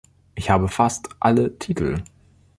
Ich habe fast alle Titel.